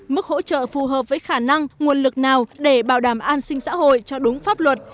mức hỗ trợ phù hợp với khả năng nguồn lực nào để bảo đảm an sinh xã hội cho đúng pháp luật